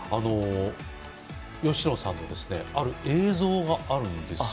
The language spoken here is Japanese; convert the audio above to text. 吉野さんの、ある映像があるんです。